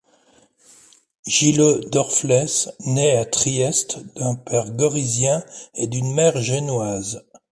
Gillo Dorfles naît à Trieste d'un père gorizien et d'une mère génoise.